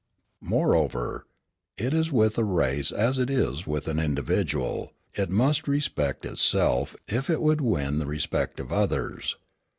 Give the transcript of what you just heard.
"Moreover, it is with a race as it is with an individual: it must respect itself if it would win the respect of others.